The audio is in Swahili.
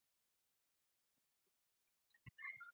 Nyama nusu kilo